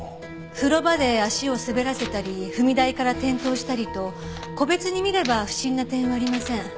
風呂場で足を滑らせたり踏み台から転倒したりと個別に見れば不審な点はありません。